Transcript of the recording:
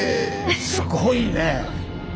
すごいね。